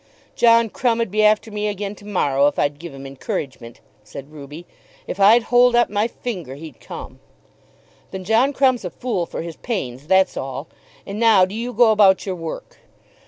"John Crumb 'd be after me again to morrow, if I'd give him encouragement," said Ruby. "If I'd hold up my finger he'd come." "Then John Crumb's a fool for his pains, that's all; and now do you go about your work."